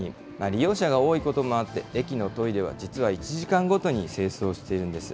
利用者が多いこともあって、駅のトイレは実は１時間ごとに清掃しているんです。